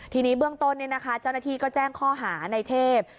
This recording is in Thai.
ทีนี้เรื่องต้นนะคะเจ้านาธิก็แจ้งข้อหาในเทพ